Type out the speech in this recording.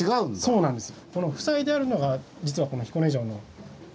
そうなんです。